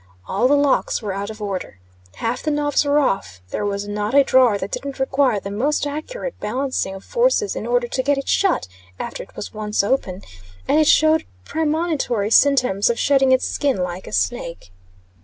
All the locks were out of order, half the knobs were off, there was not a drawer that didn't require the most accurate balancing of forces in order to get it shut after it was once open, and it showed premonitory symptoms of shedding its skin like a snake.